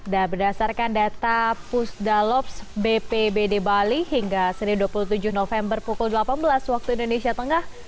dan berdasarkan data pusdalops bp bd bali hingga senin dua puluh tujuh november pukul delapan belas waktu indonesia tengah